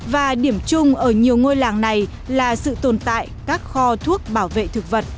và điểm chung ở nhiều ngôi làng này là sự tồn tại các kho thuốc bảo vệ thực vật